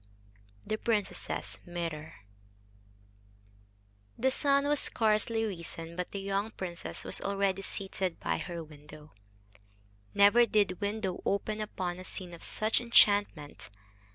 THE PRINCESS'S MIRROR The sun was scarcely risen, but the young princess was already seated by her window. Never did window open upon a scene of such enchantment.